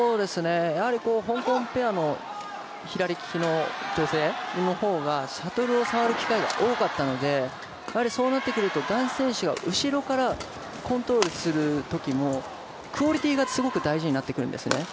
香港ペアの左利きの女性の方がシャトルを触る機会が多かったのでそうなってくると男子選手が後ろからコントロールするときもクオリティがすごく大事になってくるんですね。